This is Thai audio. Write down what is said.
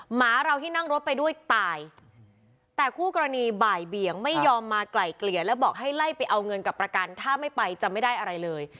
หมาเราที่นั่งรถไปด้วยตายแต่คู่กรณีบ่ายเบี่ยงไม่ยอมมาไกล่เกลี่ยแล้วบอกให้ไล่ไปเอาเงินกับประกันถ้าไม่ไปจะไม่ได้อะไรเลย